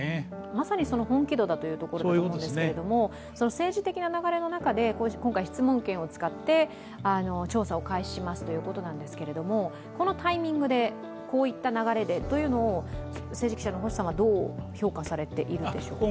まさに本気度だというところだと思うんですけれども政治的な流れで、今回、質問権を使って調査を開始しますということなんですけれども、このタイミングでこういった流れでというのを政治記者の星さんはどう評価されてるでしょうか。